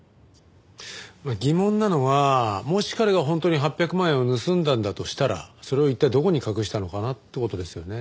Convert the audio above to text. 疑問なのはもし彼が本当に８００万円を盗んだんだとしたらそれを一体どこに隠したのかなって事ですよね。